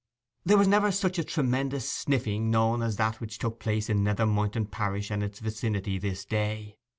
There was never such a tremendous sniffing known as that which took place in Nether Moynton parish and its vicinity this day.